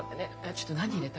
ちょっと何入れた？